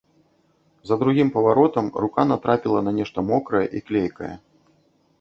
За другім паваротам рука натрапіла на нешта мокрае і клейкае.